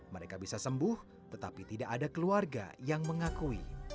mereka bisa sembuh tetapi tidak ada keluarga yang mengakui